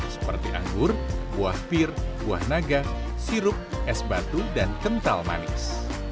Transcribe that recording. seperti anggur buah pir buah naga sirup es batu dan kental manis